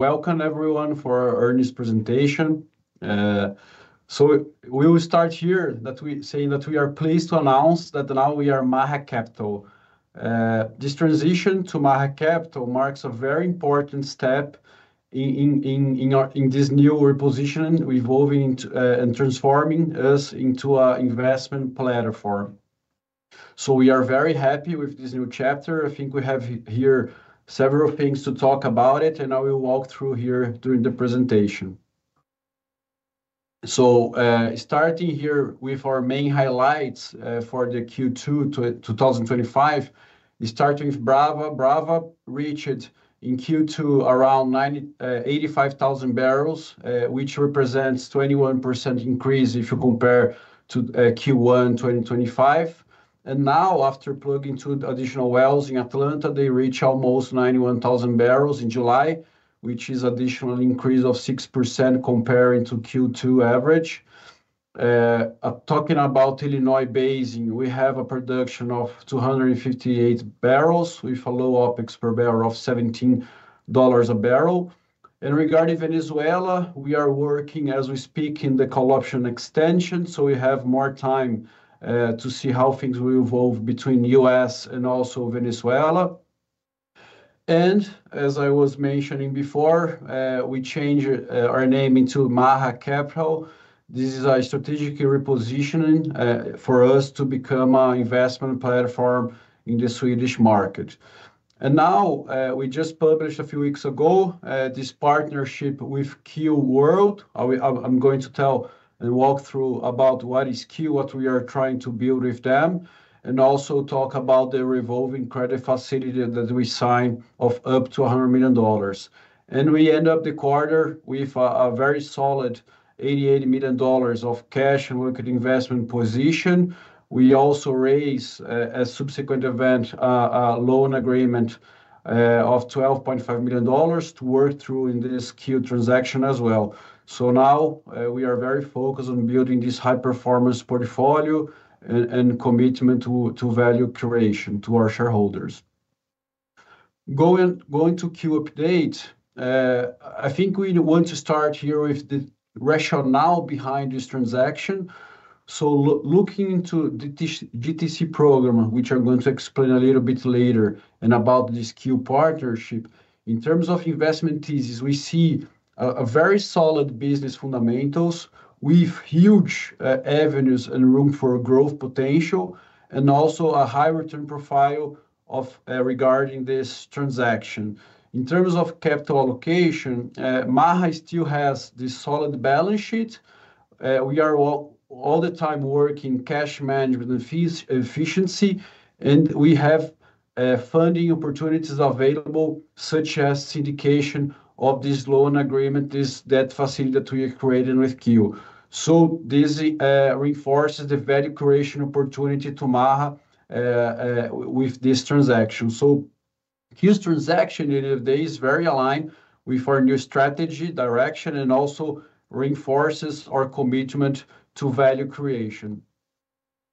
Welcome, everyone, for our earliest presentation. We will start here by saying that we are pleased to announce that now we are Maha Capital. This transition to Maha Capital marks a very important step in our, in this newer position, evolving and transforming us into an investment platform. We are very happy with this new chapter. I think we have here several things to talk about, and I will walk through here during the presentation. Starting here with our main highlights for Q2 2025, we start with Brava. Brava reached in Q2 around 85,000 bbls, which represents a 21% increase if you compare to Q1 2025. Now, after plugging two additional wells in Atlanta, they reached almost 91,000 bbls in July, which is an additional increase of 6% compared to Q2 average. Talking about Illinois Basin, we have a production of 258 bbls with a low OpEx per barrel of $17 a barrel. Regarding Venezuela, we are working, as we speak, in the coal option extension, so we have more time to see how things will evolve between the U.S., and also Venezuela. As I was mentioning before, we changed our name into Maha Capital. This is a strategic repositioning for us to become an investment platform in the Swedish market. We just published a few weeks ago this partnership with KEO World. I'm going to tell and walk through about what is KEO, what we are trying to build with them, and also talk about the revolving credit facility that we signed of up to $100 million. We end up the quarter with a very solid $88 million of cash in a market investment position. We also raised a subsequent event, a loan agreement, of $12.5 million to work through in this KEO transaction as well. Now, we are very focused on building this high-performance portfolio and commitment to value creation to our shareholders. Going to KEO update, I think we want to start here with the rationale behind this transaction. Looking into the GTC Program, which I'm going to explain a little bit later, and about this KEO partnership, in terms of investment thesis, we see very solid business fundamentals with huge avenues and room for growth potential, and also a high return profile regarding this transaction. In terms of capital allocation, Maha still has this solid balance sheet. We are all the time working on cash management and efficiency, and we have funding opportunities available, such as syndication of this loan agreement, this debt facility that we created with KEO World. This reinforces the value creation opportunity to Maha, with this transaction. This transaction in a day is very aligned with our new strategy, direction, and also reinforces our commitment to value creation.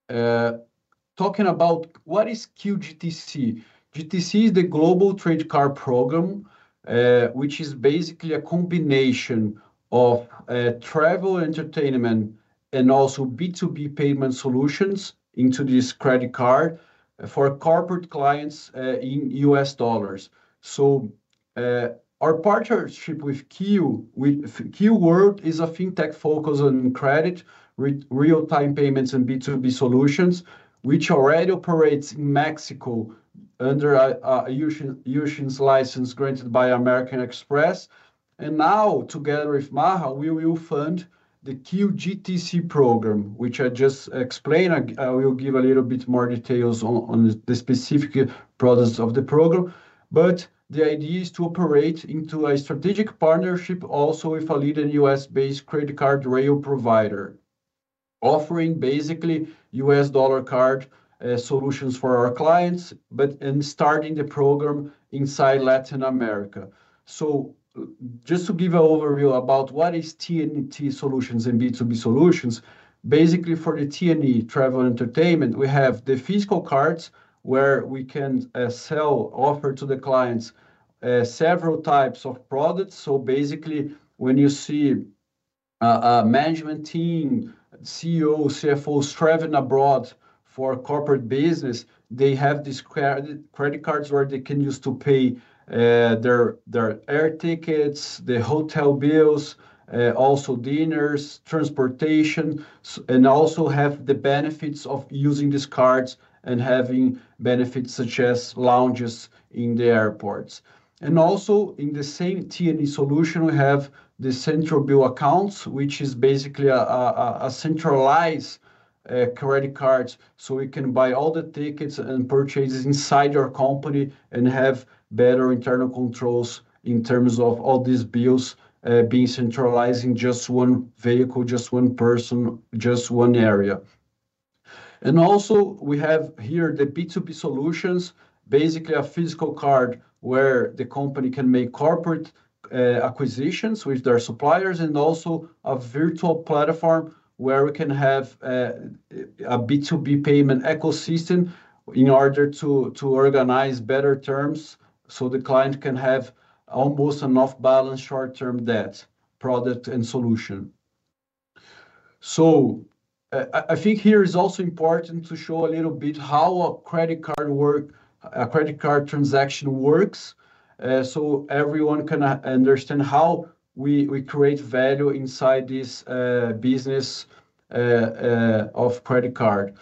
Talking about what is QGTC, QGTC is the Global Trade Card Program, which is basically a combination of travel, entertainment, and also B2B payment solutions into this credit card for corporate clients, in U.S., dollars. Our partnership with KEO World is a fintech focused on credit, with real-time payments and B2B solutions, which already operates in Mexico under a usage license granted by American Express. Now, together with Maha, we will fund the QGTC program, which I just explained. I will give a little bit more details on the specific products of the program. The idea is to operate into a strategic partnership also with a leading US-based credit card rail provider, offering basically U.S., dollar card solutions for our clients, starting the program inside Latin America. Just to give an overview about what is T&E Solutions and B2B solutions, basically for the T&E, travel and entertainment, we have the physical cards where we can sell, offer to the clients, several types of products. Basically, when you see a management team, CEOs, CFOs traveling abroad for corporate business, they have these credit cards where they can use to pay their air tickets, their hotel bills, also dinners, transportation, and also have the benefits of using these cards and having benefits such as lounges in the airports. In the same T&E solution, we have the central bill accounts, which is basically a centralized credit card. We can buy all the tickets and purchases inside your company and have better internal controls in terms of all these bills, being centralized in just one vehicle, just one person, just one area. We have here the B2B solutions, basically a physical card where the company can make corporate acquisitions with their suppliers and also a virtual platform where we can have a B2B payment ecosystem in order to organize better terms so the client can have almost enough balance short-term debt product and solution. I think here is also important to show a little bit how a credit card transaction works, so everyone can understand how we create value inside this business of credit card.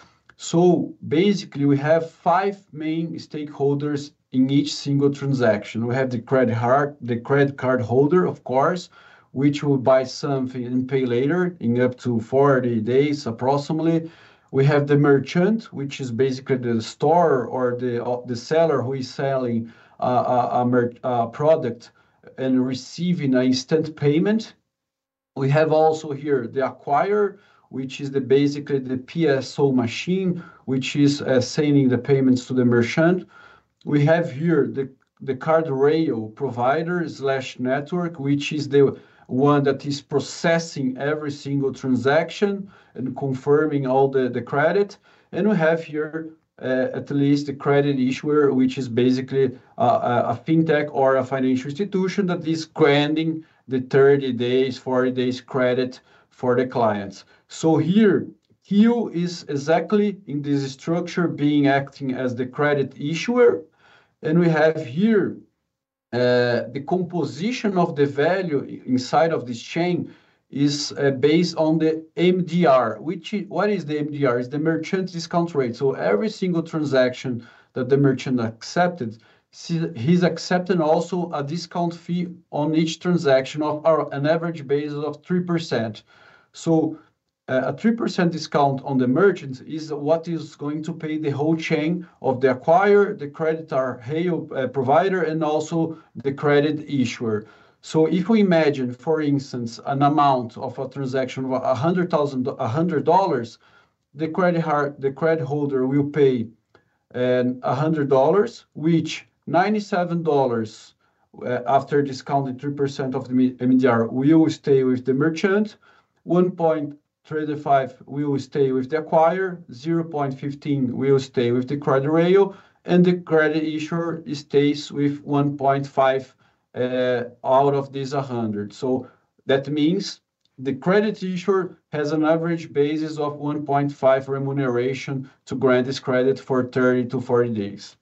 Basically, we have five main stakeholders in each single transaction. We have the credit card, the credit card holder, of course, which will buy something and pay later in up to 40 days, approximately. We have the merchant, which is basically the store or the seller who is selling a product and receiving an instant payment. We have also here the acquirer, which is basically the POS machine, which is sending the payments to the merchant. We have here the card rail provider/network, which is the one that is processing every single transaction and confirming all the credit. We have here, at least, the credit issuer, which is basically a fintech or a financial institution that is granting the 30 days, 40 days credit for the clients. Here, KEO World is exactly in this structure, acting as the credit issuer. The composition of the value inside of this chain is based on the MDR. What is the MDR? It's the Merchant Discount Rate. Every single transaction that the merchant accepted, he's accepting also a discount fee on each transaction on an average basis of 3%. A 3% discount on the merchant is what is going to pay the whole chain of the acquirer, the credit card rail provider, and also the credit issuer. If we imagine, for instance, an amount of a transaction of $100,000, the credit card holder will pay $100,000, which $97,000, after discounting 3% of the MDR, will stay with the merchant. $1,350 will stay with the acquirer, $150 will stay with the credit rail, and the credit issuer stays with 1.5% out of these 100%. That means the credit issuer has an average basis of 1.5% remuneration to grant this credit for 30-40 days.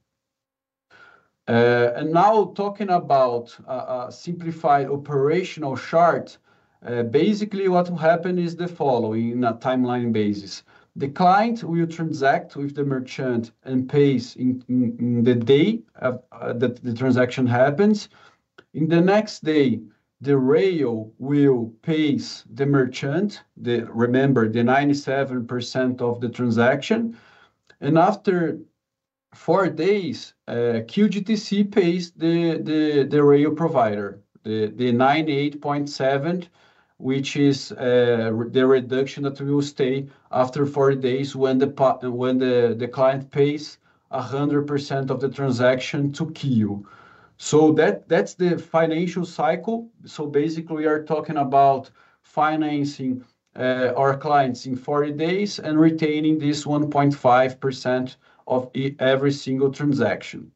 Now, talking about a simplified operational chart, basically, what will happen is the following in a timeline basis. The client will transact with the merchant and pay in the day that the transaction happens. The next day, the rail will pay the merchant, remember, the 97% of the transaction. After four days, the QGTC pays the rail provider the 98.7% which is the reduction that will stay after 40 days when the client pays 100% of the transaction to KEO World. That's the financial cycle. Basically, we are talking about financing our clients in 40 days and retaining this 1.5% of every single transaction.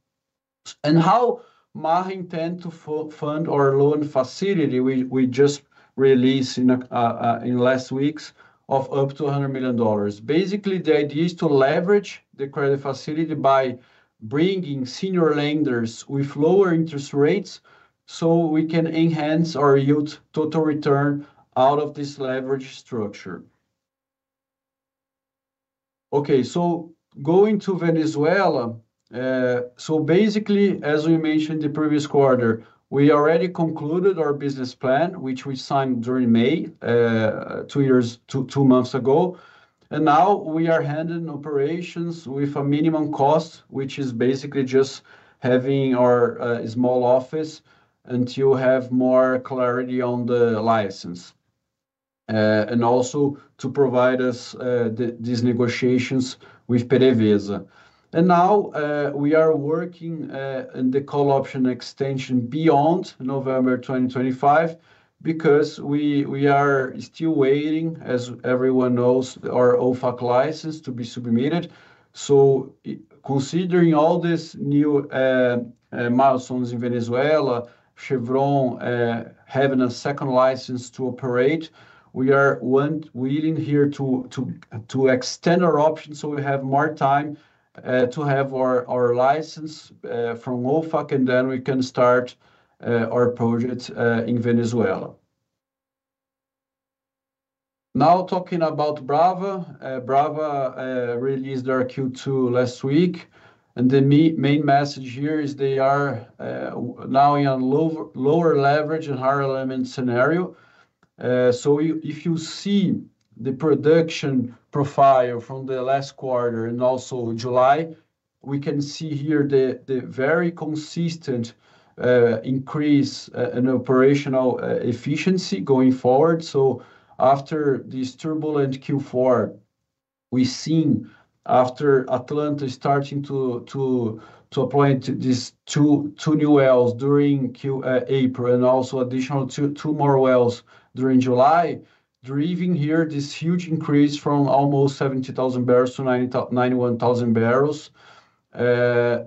How Maha intends to fund our loan facility we just released in the last weeks of up to $100 million. The idea is to leverage the credit facility by bringing senior lenders with lower interest rates so we can enhance our yield total return out of this leverage structure. Going to Venezuela, as we mentioned the previous quarter, we already concluded our business plan, which we signed during May, two years, two months ago. Now we are handling operations with a minimum cost, which is basically just having our small office until we have more clarity on the license and also to provide us these negotiations with PDVSA. We are working in the coal option extension beyond November 2025 because we are still waiting, as everyone knows, our OFAC license to be submitted. Considering all these new milestones in Venezuela, Chevron having a second license to operate, we are willing here to extend our options so we have more time to have our license from OFAC, and then we can start our projects in Venezuela. Now talking about Brava, Brava released their Q2 last week. The main message here is they are now in a lower leverage and higher limit scenario. If you see the production profile from the last quarter and also July, we can see here the very consistent increase in operational efficiency going forward. After this turbulent Q4, we see after Atlanta starting to appoint these two new wells during April, and also additional two more wells during July, driving this huge increase from almost 70,000 bbls-91,000 bbls.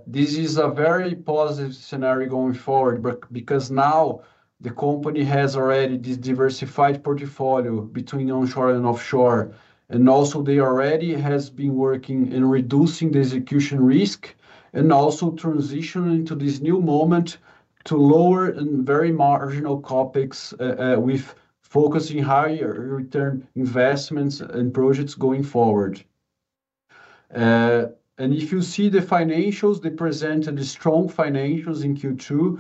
This is a very positive scenario going forward because now the company has already this diversified portfolio between onshore and offshore. They already have been working in reducing the execution risk and also transitioning to this new moment to lower and very marginal CapEx with focusing higher return investments and projects going forward. If you see the financials, they presented strong financials in Q2.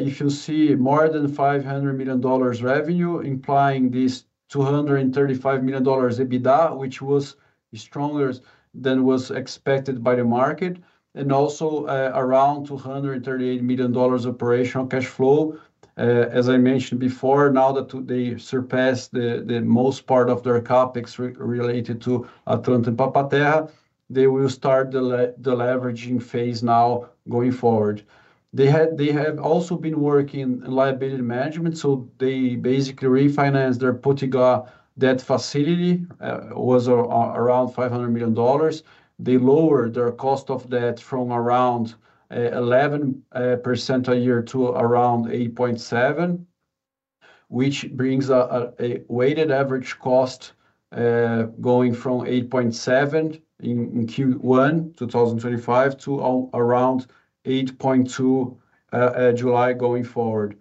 If you see more than $500 million revenue, implying this $235 million EBITDA, which was stronger than was expected by the market, and also around $238 million operational cash flow. As I mentioned before, now that they surpassed the most part of their CapEx related to Atlanta and Papa Terra, they will start the leveraging phase now going forward. They have also been working in liability management, so they basically refinanced their Potiguar debt facility, was around $500 million. They lowered their cost of debt from around 11% a year to around 8.7%, which brings a weighted average cost, going from 8.7% in Q1 2025 to around 8.2% in July going forward.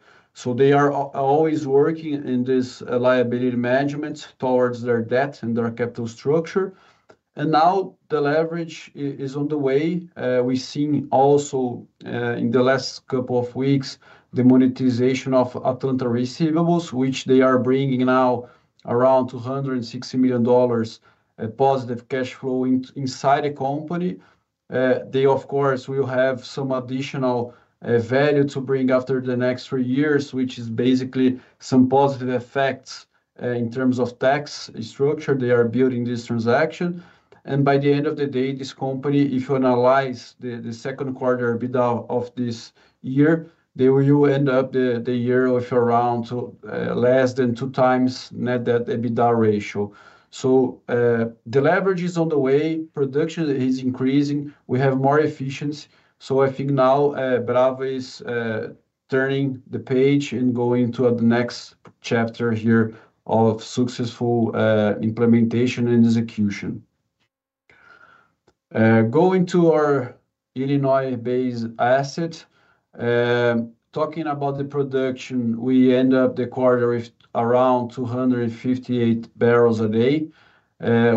They are always working in this liability management towards their debt and their capital structure. Now the leverage is on the way. We've seen also, in the last couple of weeks, the monetization of Atlanta receivables, which they are bringing now around $260 million, a positive cash flow inside the company. They, of course, will have some additional value to bring after the next three years, which is basically some positive effects in terms of tax structure they are building this transaction. By the end of the day, this company, if you analyze the second quarter EBITDA of this year, they will end up the year of around, less than two times net debt EBITDA ratio. The leverage is on the way, production is increasing, we have more efficiency. I think now, Brava is turning the page and going to the next chapter here of successful implementation and execution. Going to our Illinois Basin asset, talking about the production, we end up the quarter with around 258 bbls a day.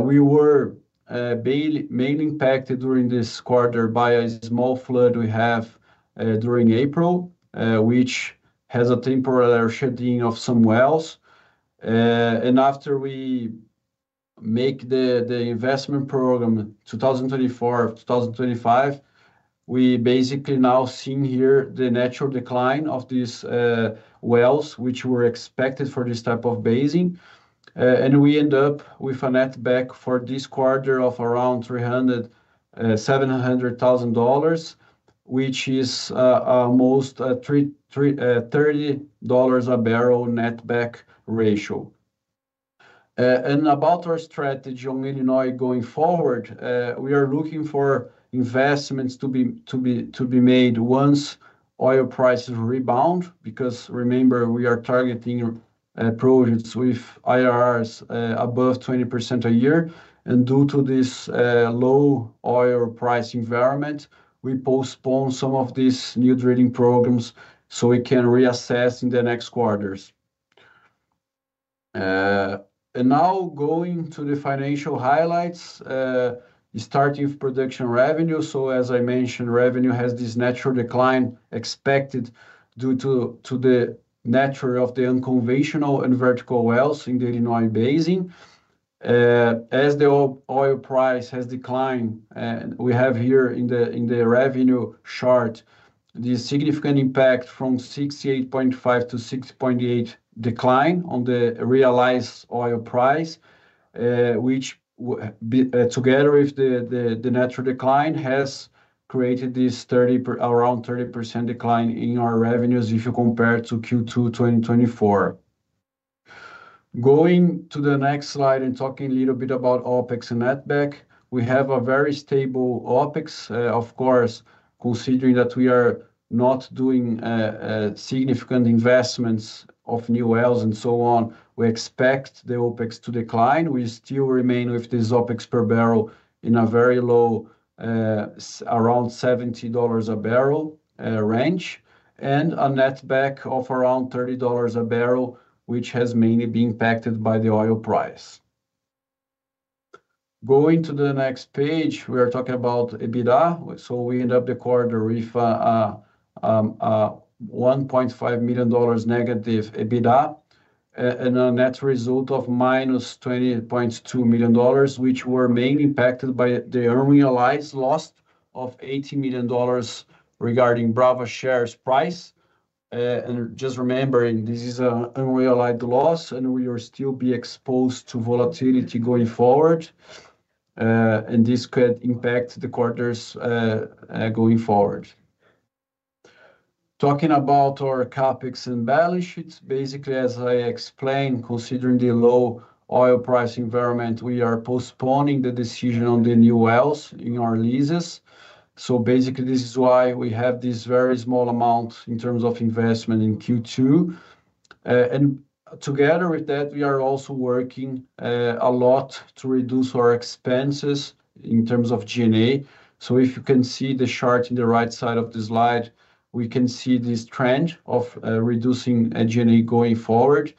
We were mainly impacted during this quarter by a small flood we had during April, which has a temporary shedding of some wells. After we make the investment program 2024-2025, we basically now see here the natural decline of these wells, which were expected for this type of basin. We end up with a net back for this quarter of around $300,000, $700,000, which is almost $30 a barrel net back ratio. About our strategy on Illinois going forward, we are looking for investments to be made once oil prices rebound because remember, we are targeting projects with IRRs above 20% a year. Due to this low oil price environment, we postpone some of these new drilling programs so we can reassess in the next quarters. Now going to the financial highlights, starting with production revenue. As I mentioned, revenue has this natural decline expected due to the nature of the unconventional and vertical wells in the Illinois Basin. As the oil price has declined, we have here in the revenue chart the significant impact from $68.5 to $6.8 decline on the realized oil price, which, together with the natural decline, has created this around 30% decline in our revenues if you compare to Q2 2024. Going to the next slide and talking a little bit about OpEx and netback, we have a very stable OpEx, of course, considering that we are not doing significant investments of new wells and so on. We expect the OpEx to decline. We still remain with this OpEx per barrel in a very low, around $70 a barrel, range, and a netback of around $30 a barrel, which has mainly been impacted by the oil price. Going to the next page, we are talking about EBITDA. We end up the quarter with a $1.5 million negative EBITDA and a net result of -$20.2 million, which were mainly impacted by the unrealized loss of $80 million regarding Brava shares price. Just remembering, this is an unrealized loss and we will still be exposed to volatility going forward. This could impact the quarters going forward. Talking about our CapEx and balance sheets, basically, as I explained, considering the low oil price environment, we are postponing the decision on the new wells in our leases. This is why we have this very small amount in terms of investment in Q2. Together with that, we are also working a lot to reduce our expenses in terms of G&A. If you can see the chart on the right side of the slide, we can see this trend of reducing G&A going forward.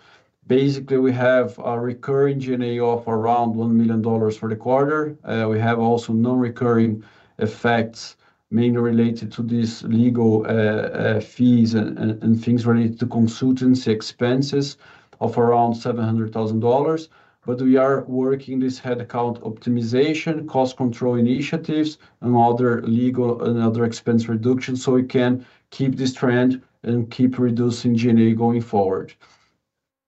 We have a recurring G&A of around $1 million for the quarter. We have also non-recurring effects, mainly related to these legal fees and things related to consultancy expenses of around $700,000. We are working this headcount optimization, cost control initiatives, and other legal and other expense reductions so we can keep this trend and keep reducing G&A going forward.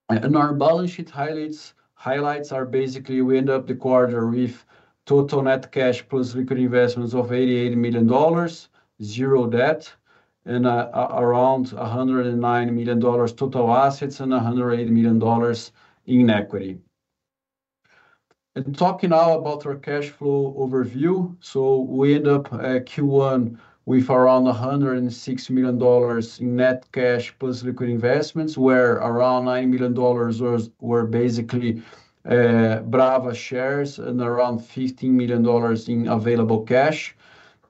Our balance sheet highlights are basically we end up the quarter with total net cash plus liquid investments of $88 million, zero debt, and around $109 million total assets and $108 million in equity. Talking now about our cash flow overview, we end up at Q1 with around $106 million in net cash plus liquid investments, where around $9 million were basically Brava shares and around $15 million in available cash.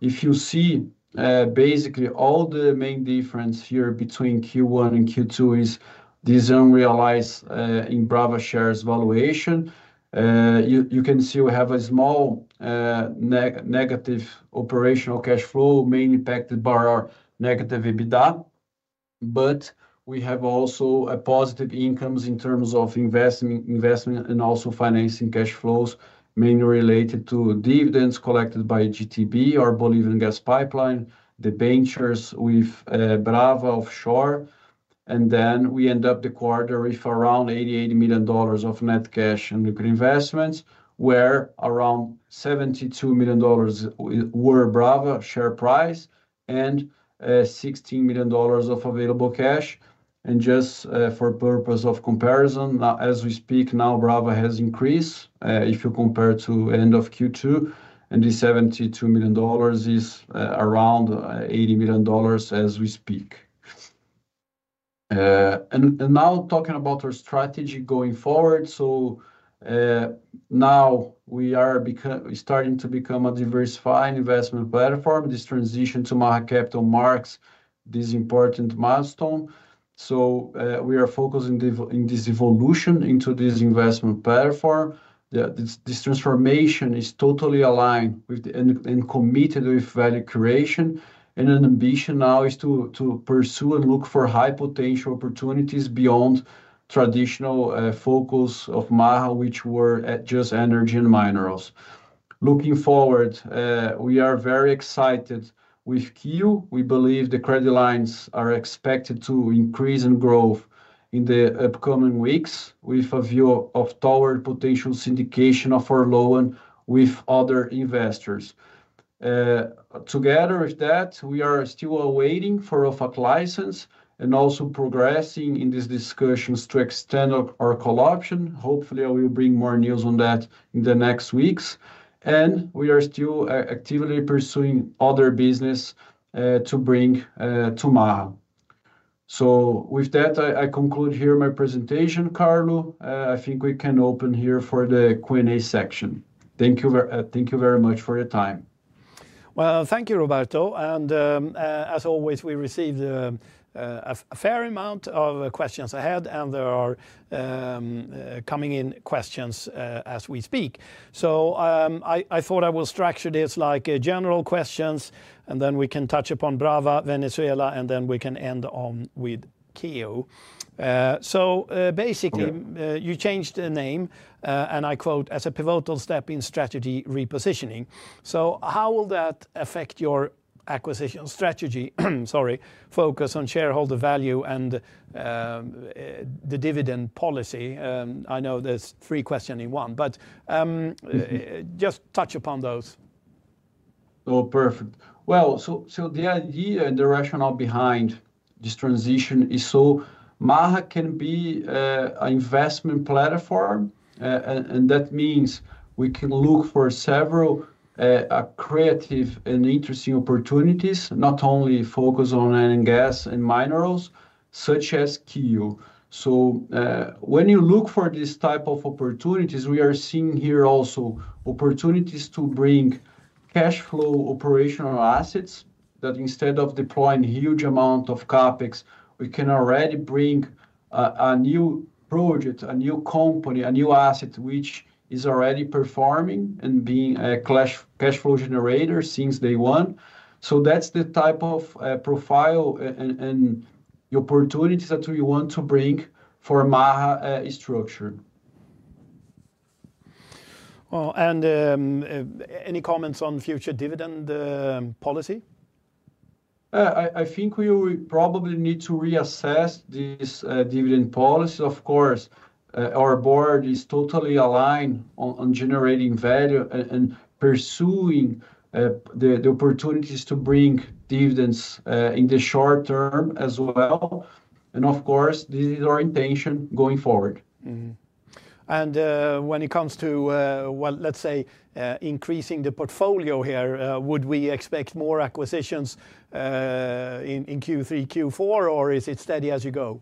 If you see, basically, all the main difference here between Q1 and Q2 is this unrealized in Brava shares valuation. You can see we have a small negative operational cash flow, mainly impacted by our negative EBITDA. We have also a positive income in terms of investment and also financing cash flows, mainly related to dividends collected by GTB, our ballooning gas pipeline, the ventures with Brava offshore. We end up the quarter with around $88 million of net cash and liquid investments, where around $72 million were Brava share price and $16 million of available cash. Just for purpose of comparison, as we speak now, Brava has increased if you compare to end of Q2. The $72 million is around $80 million as we speak. Now talking about our strategy going forward. We are starting to become a diversified investment platform. This transition to Maha Capital marks this important milestone. We are focusing in this evolution into this investment platform. This transformation is totally aligned with and committed with value creation. An ambition now is to pursue and look for high potential opportunities beyond traditional focus of Maha, which were just energy and minerals. Looking forward, we are very excited with KEO. We believe the credit lines are expected to increase in growth in the upcoming weeks with a view toward potential syndication of our loan with other investors. Together with that, we are still awaiting for OFAC license and also progressing in these discussions to extend our coal option. Hopefully, I will bring more news on that in the next weeks. We are still actively pursuing other business to bring to Maha. With that, I conclude here my presentation, Carlo. I think we can open here for the Q&A section. Thank you very much for your time. Thank you, Roberto. As always, we received a fair amount of questions ahead, and there are coming in questions as we speak. I thought I will structure this like general questions, and then we can touch upon Brava, Venezuela, and then we can end on with KEO. Basically, you changed the name, and I quote, "as a pivotal step in strategy repositioning." How will that affect your acquisition strategy, focus on shareholder value, and the dividend policy? I know there's three questions in one, but just touch upon those. Oh, perfect. The idea and the rationale behind this transition is so Maha can be an investment platform, and that means we can look for several creative and interesting opportunities, not only focused on oil and gas and minerals, such as KEO. When you look for these types of opportunities, we are seeing here also opportunities to bring cash flow operational assets that instead of deploying a huge amount of CapEx, we can already bring a new project, a new company, a new asset which is already performing and being a cash flow generator since day one. That's the type of profile and the opportunities that we want to bring for Maha structure. Are there any comments on future dividend policy? I think we will probably need to reassess these dividend policies. Of course, our board is totally aligned on generating value and pursuing the opportunities to bring dividends in the short term as well. This is our intention going forward. When it comes to, let's say, increasing the portfolio here, would we expect more acquisitions in Q3, Q4, or is it steady as you go?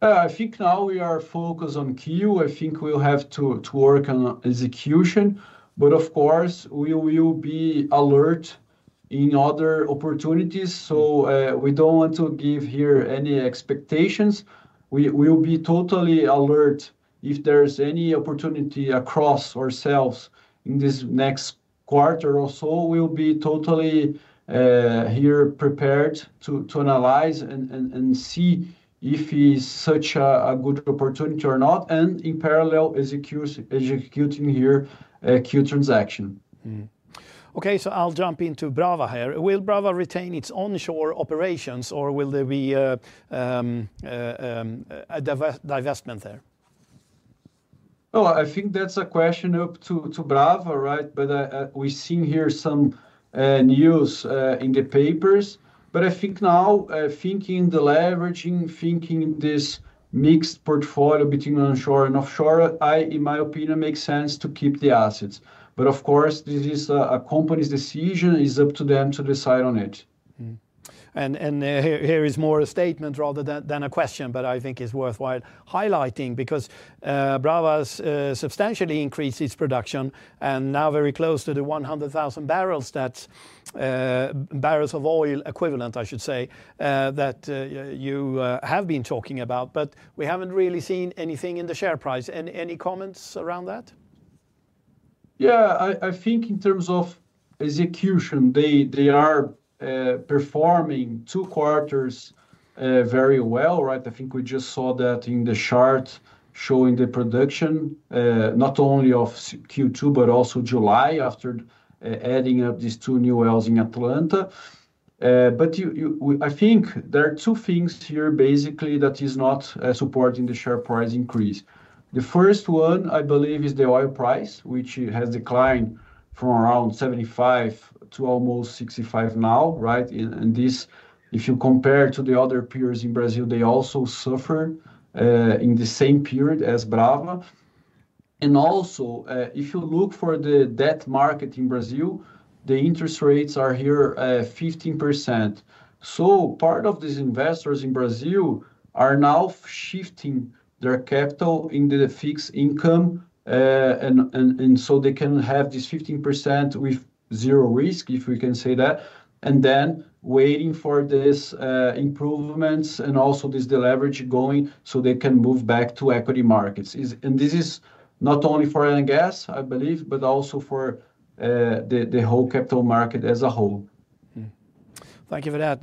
I think now we are focused on KEO. I think we'll have to work on execution. Of course, we will be alert in other opportunities. We don't want to give here any expectations. We will be totally alert if there's any opportunity across ourselves in this next quarter or so. We'll be totally here prepared to analyze and see if it's such a good opportunity or not, and in parallel executing here a KEO transaction. Okay, I'll jump into Brava here. Will Brava retain its onshore operations, or will there be a divestment there? Oh, I think that's a question up to Brava, right? We've seen here some news in the papers. I think now, thinking in the leveraging, thinking in this mixed portfolio between onshore and offshore, in my opinion, it makes sense to keep the assets. Of course, this is a company's decision. It's up to them to decide on it. This is more a statement rather than a question, but I think it's worthwhile highlighting because Brava has substantially increased its production and is now very close to the 100,000 bbls, that's bbls of oil equivalent, I should say, that you have been talking about. We haven't really seen anything in the share price. Any comments around that? Yeah, I think in terms of execution, they are performing two quarters very well, right? I think we just saw that in the chart showing the production, not only of Q2, but also July after adding up these two new wells in Atlanta. I think there are two things here basically that are not supporting the share price increase. The first one, I believe, is the oil price, which has declined from around $75 to almost $65 now, right? If you compare to the other peers in Brazil, they also suffer in the same period as Brava. Also, if you look for the debt market in Brazil, the interest rates are here at 15%. Part of these investors in Brazil are now shifting their capital into the fixed income, and they can have this 15% with zero risk, if we can say that, and then waiting for these improvements and also this leverage going so they can move back to equity markets. This is not only for oil and gas, I believe, but also for the whole capital market as a whole. Thank you for that.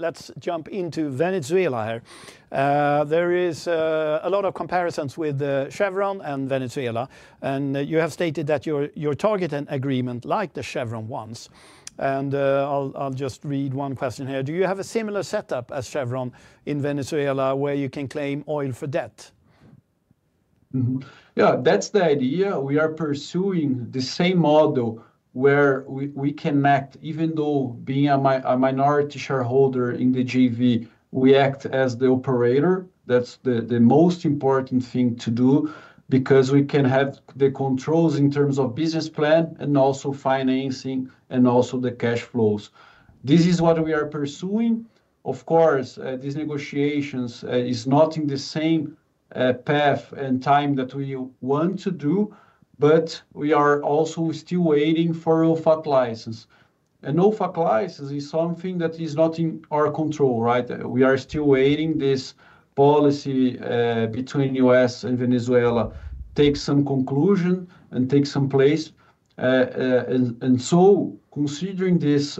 Let's jump into Venezuela here. There are a lot of comparisons with Chevron and Venezuela. You have stated that your target agreement is like the Chevron ones. I'll just read one question here. Do you have a similar setup as Chevron in Venezuela where you can claim oil for debt? Yeah, that's the idea. We are pursuing the same model where we can act, even though being a minority shareholder in the JV, we act as the operator. That's the most important thing to do because we can have the controls in terms of business plan and also financing and also the cash flows. This is what we are pursuing. Of course, these negotiations are not in the same path and time that we want to do, but we are also still waiting for an OFAC license. An OFAC license is something that is not in our control, right? We are still waiting for this policy between the U.S., and Venezuela to take some conclusion and take some place. Considering this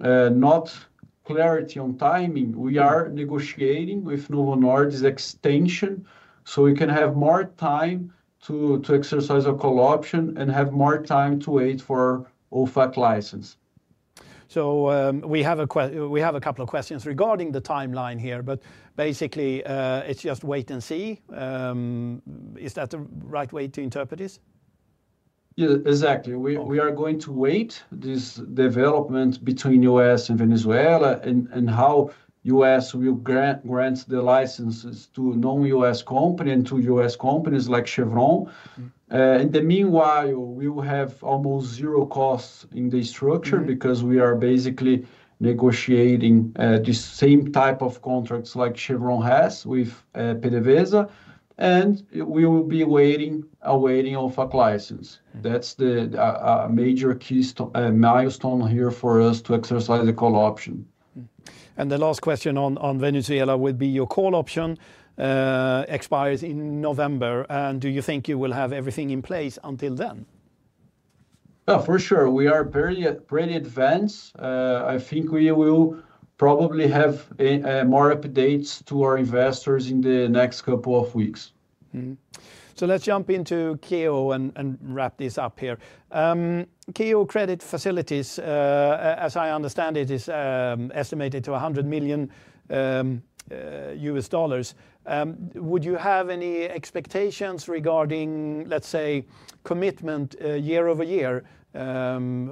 not clarity on timing, we are negotiating with PDVSA extension so we can have more time to exercise a call option and have more time to wait for an OFAC license. We have a couple of questions regarding the timeline here, but basically, it's just wait and see. Is that the right way to interpret this? Exactly. We are going to wait for this development between the U.S., and Venezuela and how the U.S., will grant the licenses to non-U.S., companies and to U.S., companies like Chevron. In the meanwhile, we will have almost zero costs in this structure because we are basically negotiating the same type of contracts like Chevron has with PDVSA, and we will be awaiting an OFAC license. That's a major key milestone here for us to exercise the coal option. The last question on Venezuela would be your coal option expires in November. Do you think you will have everything in place until then? Yeah, for sure. We are very advanced. I think we will probably have more updates to our investors in the next couple of weeks. Let's jump into KEO and wrap this up here. KEO credit facilities, as I understand it, are estimated to $100 million. Would you have any expectations regarding, let's say, commitment year over year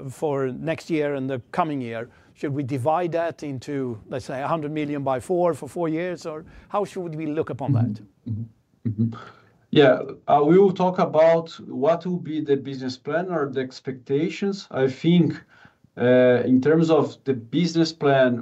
for next year and the coming year? Should we divide that into, let's say, $100 million by four for four years, or how should we look upon that? Yeah, we will talk about what will be the business plan or the expectations. I think in terms of the business plan,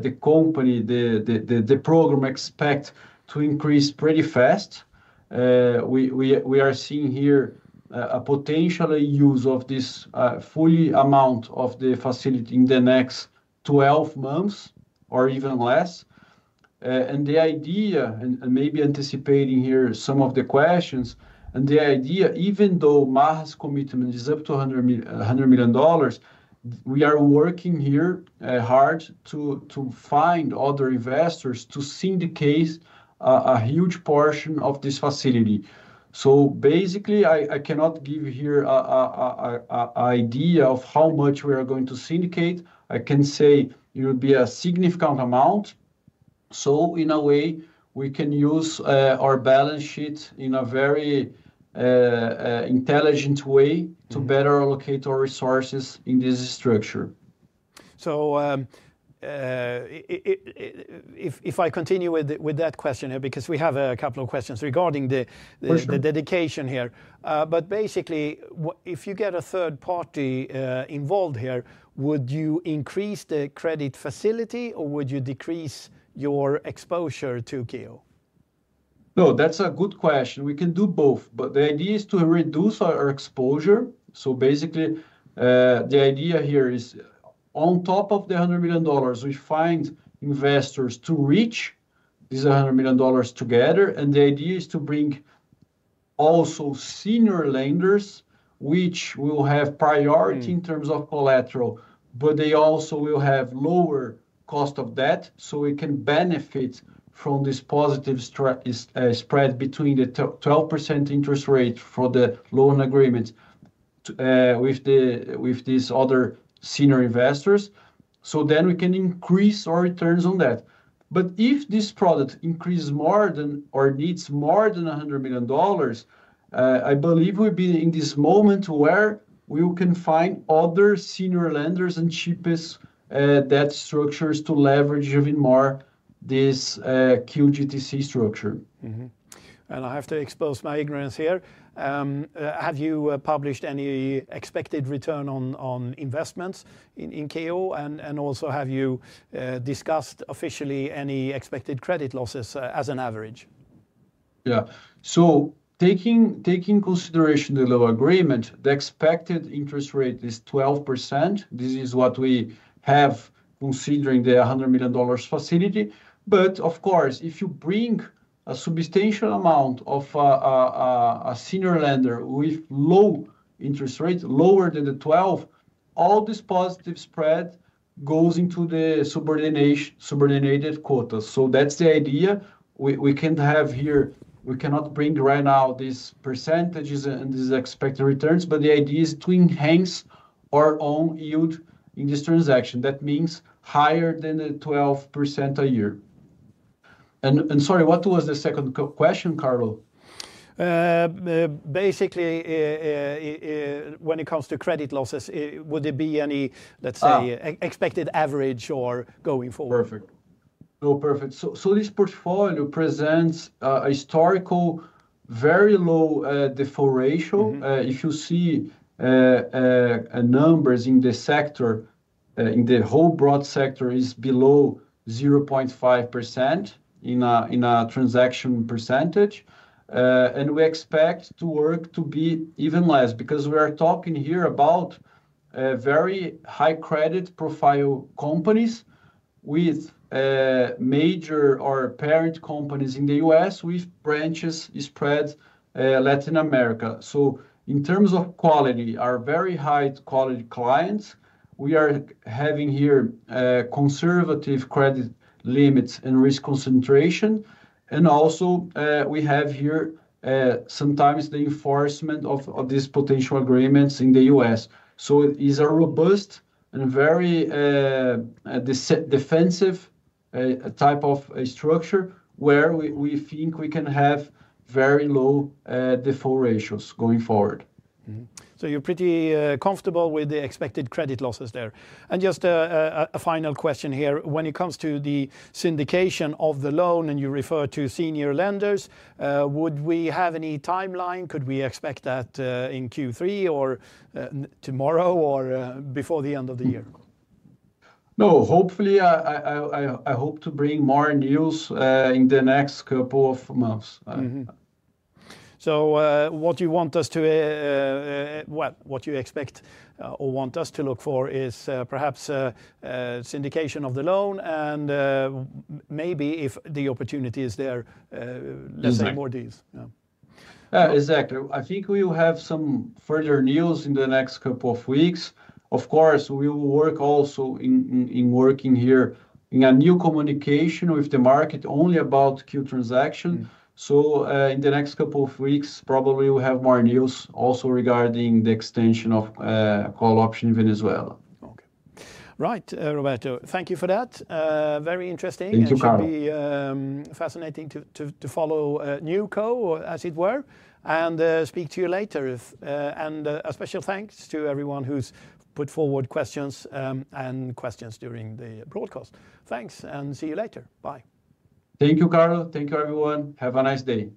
the company, the program expects to increase pretty fast. We are seeing here a potential use of this full amount of the facility in the next 12 months or even less. The idea, and maybe anticipating here some of the questions, the idea, even though Maha's commitment is up to $100 million, we are working here hard to find other investors to syndicate a huge portion of this facility. Basically, I cannot give you here an idea of how much we are going to syndicate. I can say it will be a significant amount. In a way, we can use our balance sheet in a very intelligent way to better allocate our resources in this structure. If I continue with that question here, because we have a couple of questions regarding the dedication here, if you get a third party involved here, would you increase the credit facility, or would you decrease your exposure to KEO? No, that's a good question. We can do both, but the idea is to reduce our exposure. Basically, the idea here is on top of the $100 million, we find investors to reach these $100 million together. The idea is to bring also senior lenders, which will have priority in terms of collateral, but they also will have lower cost of debt. We can benefit from this positive spread between the 12% interest rate for the loan agreements with these other senior investors. We can increase our returns on that. If this product increases more than or needs more than $100 million, I believe we'll be in this moment where we can find other senior lenders and cheapest debt structures to leverage even more this QGTC structure. I have to expose my ignorance here. Have you published any expected return on investments in KEO? Have you discussed officially any expected credit losses as an average? Yeah, so taking consideration the loan agreement, the expected interest rate is 12%. This is what we have considering the $100 million facility. Of course, if you bring a substantial amount of a senior lender with low interest rates, lower than the 12%, all this positive spread goes into the subordinated quotas. That's the idea. We can't have here, we cannot bring right now these percentages and these expected returns, but the idea is to enhance our own yield in this transaction. That means higher than the 12% a year. Sorry, what was the second question, Carlo? Basically, when it comes to credit losses, would there be any, let's say, expected average or going forward? Perfect. This portfolio presents a historical very low default ratio. If you see numbers in the sector, in the whole broad sector, it's below 0.5% in a transaction percentage. We expect to work to be even less because we are talking here about very high credit profile companies with major or parent companies in the U.S., with branches spread in Latin America. In terms of quality, our very high-quality clients, we are having here conservative credit limits and risk concentration. We have here sometimes the enforcement of these potential agreements in the U.S. It is a robust and very defensive type of structure where we think we can have very low default ratios going forward. You're pretty comfortable with the expected credit losses there. Just a final question here. When it comes to the syndication of the loan and you refer to senior lenders, would we have any timeline? Could we expect that in Q3 or tomorrow or before the end of the year? Hopefully, I hope to bring more news in the next couple of months. You want us to, or you expect or want us to look for, perhaps syndication of the loan, and maybe if the opportunity is there, let's say more deals. Exactly. I think we will have some further news in the next couple of weeks. Of course, we will also work here in a new communication with the market only about KEO transaction. In the next couple of weeks, probably we'll have more news also regarding the extension of coal option in Venezuela. Okay. Right, Roberto, thank you for that. Very interesting. Thank you, Carlo. It should be fascinating to follow new coal, as it were, and speak to you later. A special thanks to everyone who's put forward questions during the broadcast. Thanks and see you later. Bye. Thank you, Carlo. Thank you, everyone. Have a nice day.